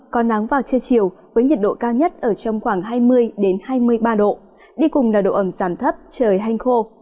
còn nắng vào trưa chiều với nhiệt độ cao nhất ở trong khoảng hai mươi hai mươi ba độ đi cùng là độ ẩm giảm thấp trời hanh khô